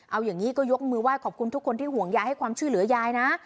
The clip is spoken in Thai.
เอาอย่างนี้ก็ยกมือไห้ขอบคุณทุกคนที่ห่วงยายให้ความช่วยเหลือยายนะ